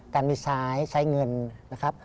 การมีซ้ายใช้เงินนะครับ